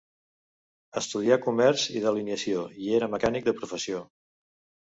Estudià comerç i delineació, i era mecànic de professió.